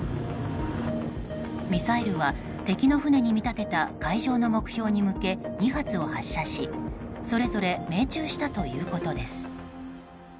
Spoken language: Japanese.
ミサイルは敵の船に見立てた海上の目標に向け２発を発射しそれぞれ命中したということです。